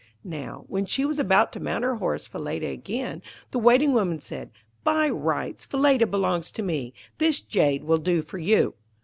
Now, when she was about to mount her horse Falada again, the Waiting woman said, 'By rights, Falada belongs to me; this jade will do for you!'